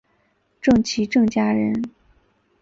郑琦郑家人。